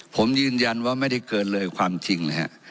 ผมยืนยันว่าไม่ได้เกินเลยความจริงนะฮะ